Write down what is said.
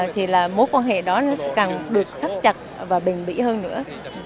thì là mối quan hệ đó nó sẽ càng được thắt chặt và bình bỉ hơn nữa